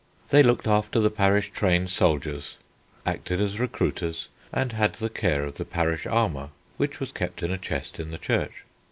They looked after the parish trained soldiers, acted as recruiters, and had the care of the parish armour, which was kept in a chest in the church.